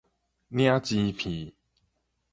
領錢片